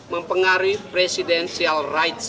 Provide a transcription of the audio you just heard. mempengaruhi presidenial rights